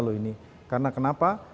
loh ini karena kenapa